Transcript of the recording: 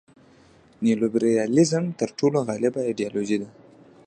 نیولیبرالیزم تر ټولو غالبه ایډیالوژي ده.